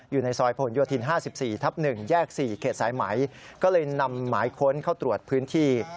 อยู่ในซอยผลโยธิน๕๔ทับ๑แยก๔เขตสายไหมก็เลยนำหมายค้นเข้าตรวจพื้นที่